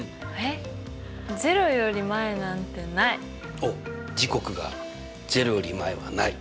おっ時刻が０より前はない。